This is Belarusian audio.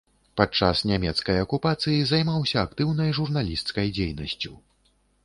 Падчас нямецкай акупацыі займаўся актыўнай журналісцкай дзейнасцю.